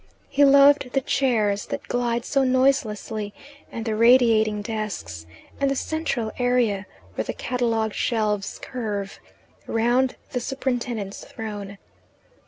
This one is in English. He loved the chairs that glide so noiselessly, and the radiating desks, and the central area, where the catalogue shelves curve, round the superintendent's throne.